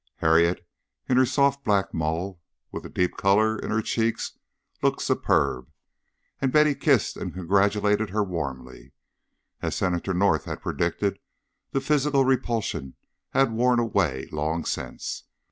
Harriet in her soft black mull with a deep colour in her cheeks looked superb, and Betty kissed and congratulated her warmly; as Senator North had predicted, the physical repulsion had worn away long since.